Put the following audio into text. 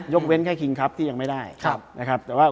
เว้นแค่คิงครับที่ยังไม่ได้นะครับแต่ว่า